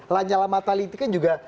lajala mataliti kan juga